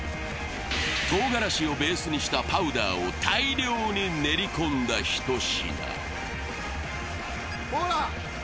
とうがらしをベースにしたパウダーを大量に練り込んだ一品。